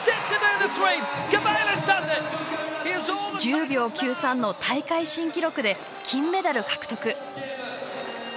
１０秒９３の大会新記録で金メダル獲得！